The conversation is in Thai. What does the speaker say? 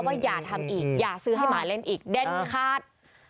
อย่าทำอีกอย่าซื้อให้หมาเล่นอีกเด้นคาด